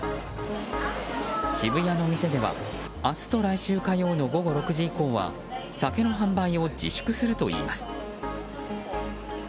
渋谷の店では、明日と来週火曜の午後６時以降は酒の販売を自粛するといいます。